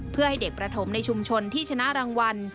เพื่อให้เด็กประถมในชุมชนที่ชนะรางวัล